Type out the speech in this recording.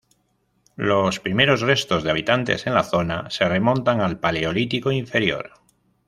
Los primeros restos de habitantes en la zona, se remontan al Paleolítico Inferior.